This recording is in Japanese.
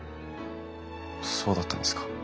そうだったんですか。